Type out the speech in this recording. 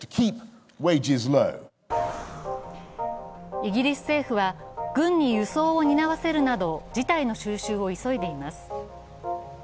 イギリス政府は、軍に輸送を担わせるなど事態の収拾を急いでいます。